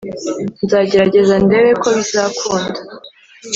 nzagerageza ndebe ko bizakunda”